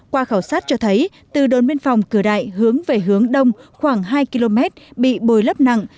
qua khảo sát cho thấy từ đồn biên phòng cửa đại hướng về hướng đông khoảng hai km bị bồi lấp nặng